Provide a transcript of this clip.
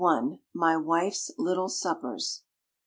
1251. My Wife's Little Suppers.